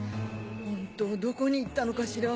ホントどこに行ったのかしら。